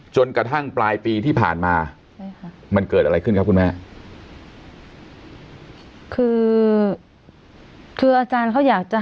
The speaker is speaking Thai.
จนกระทั่งปลายปีที่ผ่านมามันเกิดอะไรขึ้นครับคุณแม่